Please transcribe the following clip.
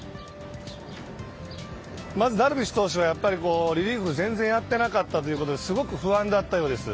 まずダルビッシュ投手はやっぱり、リリーフ全然やっていなかったということですごく不安だったようです。